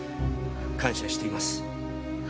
感謝しています。